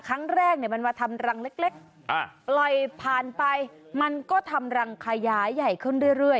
ครั้งแรกมันมาทำรังเล็กปล่อยผ่านไปมันก็ทำรังขยายใหญ่ขึ้นเรื่อย